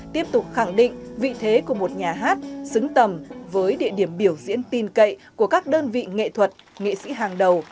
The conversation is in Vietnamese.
tiếp tục khẳng định vị thế của một nhà hát xứng tầm với địa điểm biểu diễn tin cậy của các đơn vị nghệ thuật nghệ sĩ hàng đầu